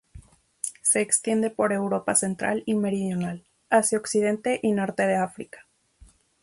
Se extiende por Europa central y meridional, Asia occidental y norte de África.